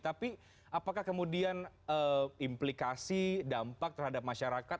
tapi apakah kemudian implikasi dampak terhadap masyarakat